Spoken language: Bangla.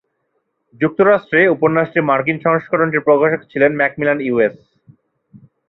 যুক্তরাষ্ট্রে উপন্যাসটির মার্কিন সংস্করণটির প্রকাশক ছিল ম্যাকমিলান ইউএস।